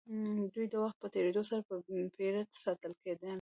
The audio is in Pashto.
دوی د وخت په تېرېدو سره په پېره ساتل کېدل.